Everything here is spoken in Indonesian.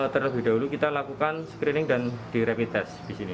terlebih dahulu kita lakukan screening dan di rapid test di sini